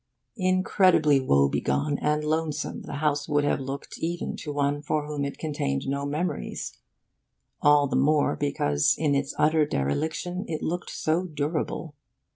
Incredibly woebegone and lonesome the house would have looked even to one for whom it contained no memories; all the more because in its utter dereliction it looked so durable.